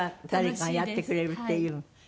誰かがやってくれるっていう。